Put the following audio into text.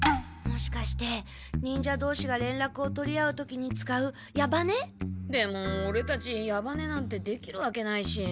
もしかして忍者どうしが連絡を取り合う時に使う矢羽音？でもオレたち矢羽音なんてできるわけないし。